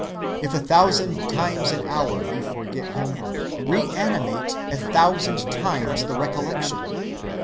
If a thousand times an hour you forget him, reanimate a thousand times the recollection.